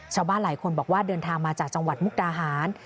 ชาวบ้านหลายคนบอกว่าเดินทางมาจากจังหวัดมุกดาหาร